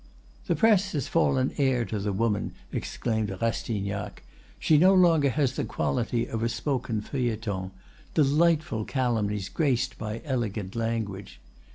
"The press has fallen heir to the Woman," exclaimed Rastignac. "She no longer has the quality of a spoken feuilleton—delightful calumnies graced by elegant language.